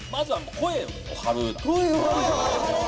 声を張る？